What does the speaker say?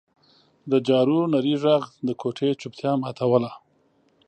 د جارو نري غږ د کوټې چوپتیا ماتوله.